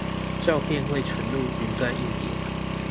照片會存入雲端硬碟